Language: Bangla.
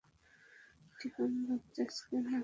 তার ব্যাপারে তোর দৃষ্টিকোণ বদলাচ্ছিস না কেন?